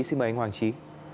xin mời anh hoàng trí